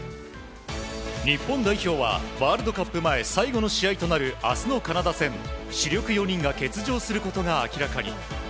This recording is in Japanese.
日本代表はワールドカップ前最後の試合となる明日のカナダ戦主力４人が欠場することが明らかに。